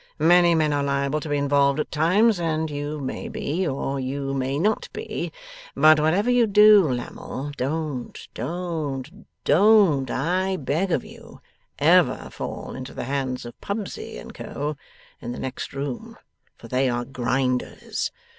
Many men are liable to be involved at times, and you may be, or you may not be. But whatever you do, Lammle, don't don't don't, I beg of you ever fall into the hands of Pubsey and Co. in the next room, for they are grinders.